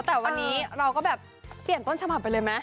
แต่วันนี้เราก็แบบเปลี่ยนต้นฉบับไปเลยไหม